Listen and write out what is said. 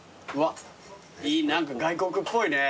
何か外国っぽいね。